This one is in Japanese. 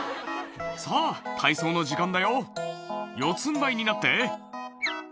「さぁ体操の時間だよ四つんばいになって」